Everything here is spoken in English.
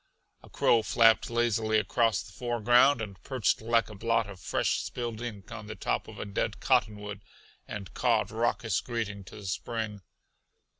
A crow flapped lazily across the foreground and perched like a blot of fresh spilled ink on the top of a dead cottonwood and cawed raucous greeting to the spring.